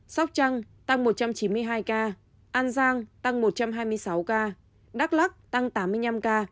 sóc trăng tăng một trăm chín mươi hai ca an giang tăng một trăm hai mươi sáu ca đắk lắc tăng tám mươi năm ca